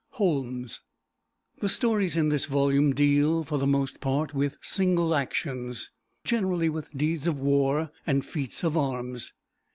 Holmes. The stories in this volume deal, for the most part, with single actions, generally with deeds of war and feats of arms.